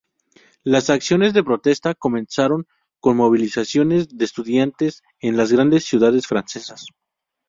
Las acciones de protesta comenzaron con movilizaciones de estudiantes en las grandes ciudades francesas.